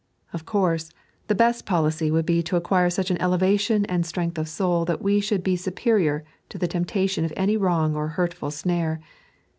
Of course, the best policy would be to acquire such an elevation and strength ot soul that we should be superior to the temptation of any wrong or hurtful snare.